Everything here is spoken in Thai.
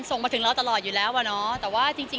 ต้องบอกว่าจริงก็ทราบคือมีการส่งมาถึงแล้วอ่ะน้อ